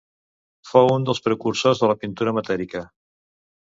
Fou un dels precursors de la pintura matèrica.